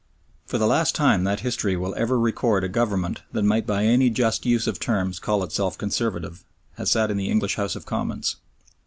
For the last time that history will ever record a government that might by any just use of terms call itself "Conservative" has sat in the English House of Commons.